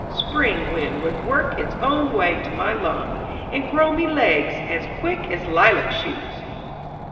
Spring wind would work its own way to my lung, And grow me legs as quick as lilac shoots.